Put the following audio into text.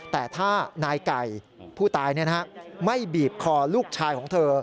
แต่ถ้านายไก่ผู้ตายไม่บีบคอลูกชายของเธอ